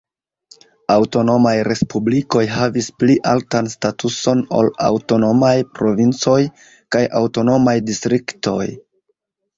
Aŭtonomaj respublikoj havis pli altan statuson ol aŭtonomaj provincoj kaj aŭtonomaj distriktoj.